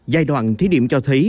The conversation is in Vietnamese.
giai đoạn thí điểm cho thấy